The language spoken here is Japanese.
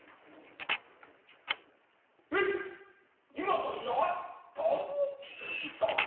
えい今の鳴つたを聞いたか。